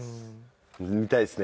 見たいですね。